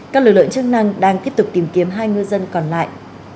các lực lượng chức năng đang tiếp tục tìm kiếm hai ngư dân còn lại